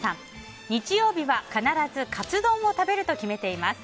日曜日は必ずカツ丼を食べると決めています。